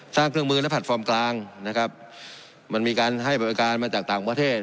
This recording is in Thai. เครื่องมือและแพลตฟอร์มกลางนะครับมันมีการให้บริการมาจากต่างประเทศ